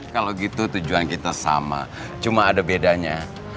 kalau gitu tujuan kita sama cuma ada bedanya